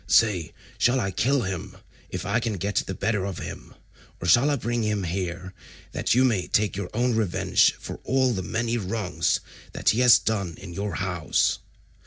Say, shall I kill him, if I can get the better of him, or shall I bring him here that you may take your own revenge for all the many wrongs that he has done in your house?"